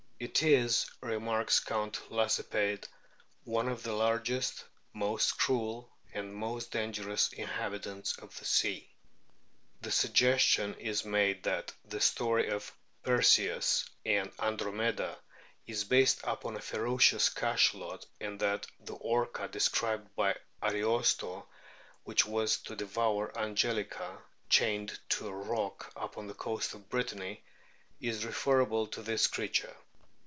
"It is," remarks Count Lacepede, "one of the largest, most cruel, and most dangerous inhabitants of the sea." The suggestion is made that the story of Perseus and Andromeda is based upon a ferocious Cachalot, and that the Orca described by Ariosto, which was to devour Angelica chained to a SPERM WHALES 207 rock upon the coast of Brittany, is referable to this creature.